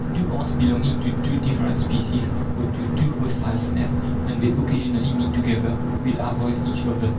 Two ants belonging to two different species or to two hostile nests, when they occasionally meet together, will avoid each other.